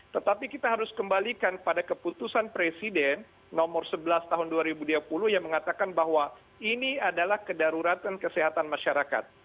tetapi kita harus kembalikan pada keputusan presiden nomor sebelas tahun dua ribu dua puluh yang mengatakan bahwa ini adalah kedaruratan kesehatan masyarakat